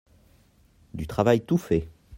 Du travail tout fait.